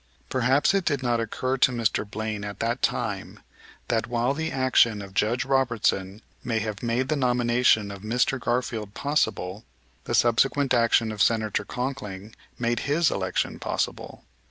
Perhaps it did not occur to Mr. Blaine at that time that, while the action of Judge Robertson may have made the nomination of Mr. Garfield possible, the subsequent action of Senator Conkling made his election possible.